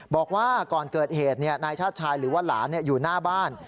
บอกว่าก่อนเกิดเหตุนายชาติชายหรือว่าหลานอยู่หน้าบ้าน